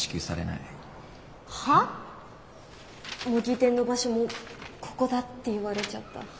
模擬店の場所もここだって言われちゃった。